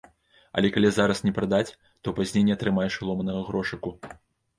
Але калі зараз не прадаць, то пазней не атрымаеш і ломанага грошыку.